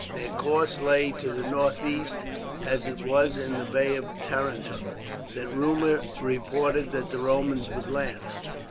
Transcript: Their course lay to the northeast, as it was in the Bay of Tarentum that rumour reported that the Romans would land.